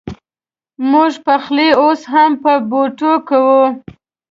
مونږ پخلی اوس هم په بوټو کوو